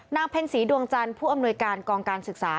เพ็ญศรีดวงจันทร์ผู้อำนวยการกองการศึกษา